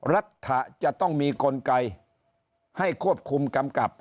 รัฐจะต้องมีกลไกให้ควบคุมกำกับ